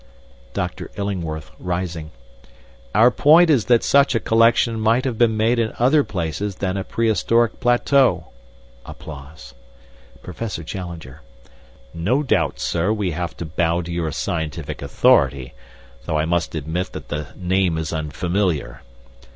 "DR. ILLINGWORTH (rising): 'Our point is that such a collection might have been made in other places than a prehistoric plateau.' "PROFESSOR CHALLENGER: 'No doubt, sir, we have to bow to your scientific authority, although I must admit that the name is unfamiliar.